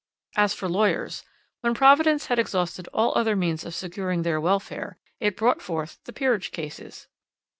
As for lawyers, when Providence had exhausted all other means of securing their welfare, it brought forth the peerage cases."